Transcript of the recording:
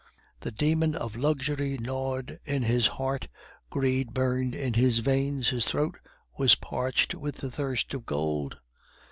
The demon of luxury gnawed at his heart, greed burned in his veins, his throat was parched with the thirst of gold.